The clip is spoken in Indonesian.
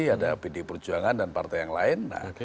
ada pd perjuangan dan partai yang lain